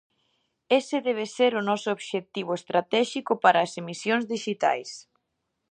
Ese debe ser o noso obxectivo estratéxico para as emisións dixitais.